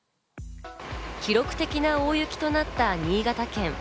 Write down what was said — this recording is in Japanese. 記録的な大雪となった新潟県。